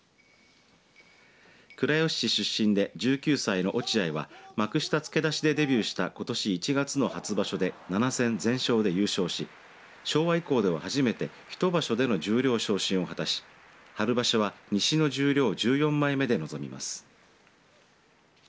倉吉市出身で１９歳の落合は幕下付け出しでデビューしたことし１月の初場所で７戦全勝で優勝し昭和以降では初めて１場所での十両昇進を果たし春場所は西の十両に１４枚目で臨みます。